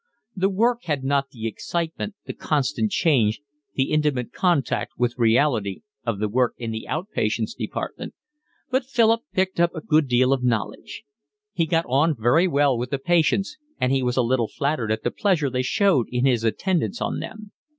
The work had not the excitement, the constant change, the intimate contact with reality, of the work in the out patients' department; but Philip picked up a good deal of knowledge. He got on very well with the patients, and he was a little flattered at the pleasure they showed in his attendance on them.